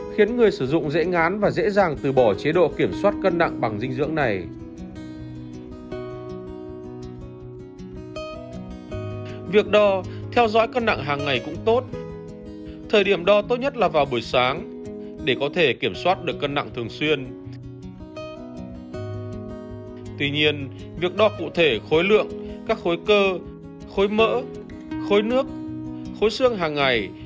khiến người sử dụng dễ ngán và dễ dàng từ bỏ chế độ kiểm soát cân nặng bằng dinh dưỡng này